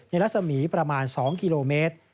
ในลักษมีศ์ประมาณ๒กิโลเมตร